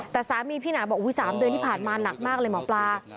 แต่สามีพี่หนาบอก๓เดือนที่ผ่านมาหนักมากเลยหมอปลา